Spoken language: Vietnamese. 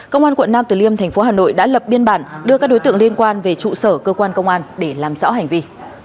công an quận nam từ liêm thành phố hà nội đã lập biên bản đưa các đối tượng liên quan về trụ sở cơ quan công an để làm rõ hành vi